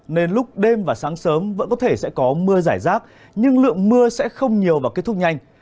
nên lúc đêm và sáng sớm vẫn có thể sẽ có mưa giải rác nhưng lượng mưa sẽ không nhiều và kết thúc nhanh